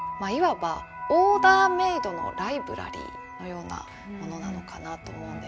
いわばオーダーメードのライブラリーのようなものなのかなと思うんですけども。